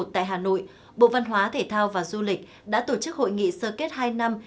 tại hà nội bộ văn hóa thể thao và du lịch đã tổ chức hội nghị sơ kết hai năm